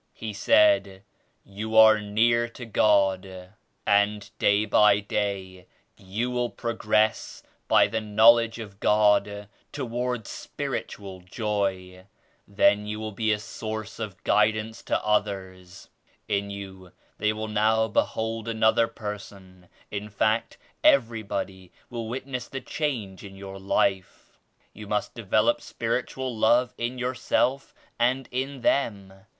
He said "You are near to God and day by day you will progress by the knowledge of God toward spiritual joy. Then you will be a source of guidance to others. In you they will now be hold another person; in fact everybody will wit ness the change in your life. You must develop spiritual love in yourself and in them.